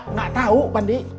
nggak tahu bandi